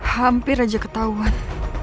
hampir aja ketauan